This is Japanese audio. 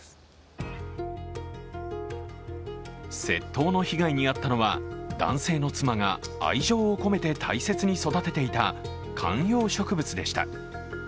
窃盗の被害に遭ったのは男性の妻が愛情を込めて大切に育てていた観葉植物でした。